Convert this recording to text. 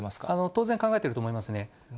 当然、考えていると思いますね。